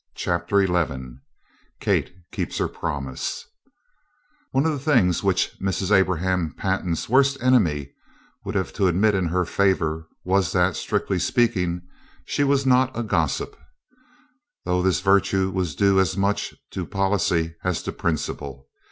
CHAPTER XI KATE KEEPS HER PROMISE One of the things which Mrs. Abram Pantin's worst enemy would have had to admit in her favor was that, strictly speaking, she was not a gossip, though this virtue was due as much to policy as to principle.